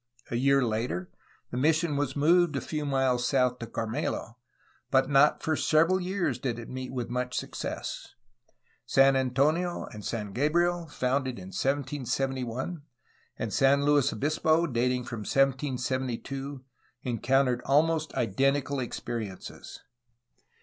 A year later the mission was moved a few miles south to Carmelo, but not for several years did it meet with much success. San Antonio and San Gabriel, founded in 1771, and San Luis Obispo, dating from 1772, encountered almost identical experiences.